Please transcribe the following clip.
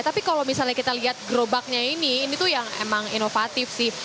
tapi kalau misalnya kita lihat gerobaknya ini ini tuh yang emang inovatif sih